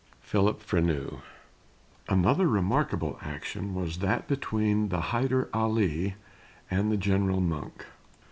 PHILIP FRENEAU. Another remarkable action was that between the Hyder Ali and the General Monk.